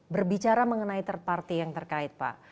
berbicara mengenai third party yang terkait pak